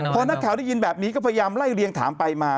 พอนักข่าวได้ยินแบบนี้ก็พยายามไล่เรียงถามไปมา